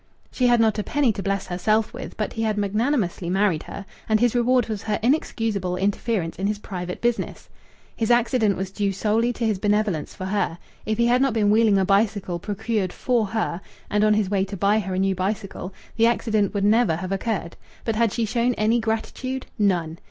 She had not a penny to bless herself with, but he had magnanimously married her; and his reward was her inexcusable interference in his private business. His accident was due solely to his benevolence for her. If he had not been wheeling a bicycle procured for her, and on his way to buy her a new bicycle, the accident would never have occurred. But had she shown any gratitude? None.